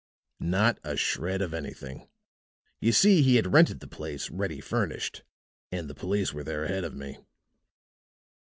"Not a shred of anything. You see, he had rented the place ready furnished. And the police were there ahead of me."